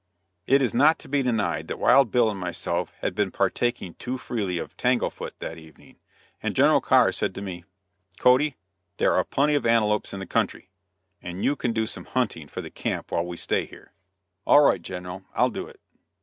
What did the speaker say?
It is not to be denied that Wild Bill and myself had been partaking too freely of "tanglefoot" that evening; and General Carr said to me: "Cody, there are plenty of antelopes in the country, and you can do some hunting for the camp while we stay here." "All right, General, I'll do it."